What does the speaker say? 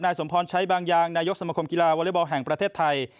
นายสมพรณ์ใช้บางยางนายกสมคมกีฬาวอร์เลอร์บอลแห่งประเทศไทย